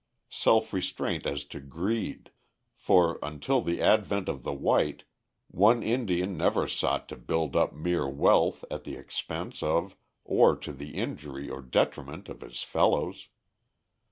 Self restraint as to greed, for, until the advent of the white, one Indian never sought to build up mere wealth at the expense of or to the injury or detriment of his fellows.